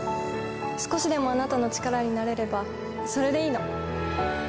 少しでもあなたの力になれれば、それでいいの。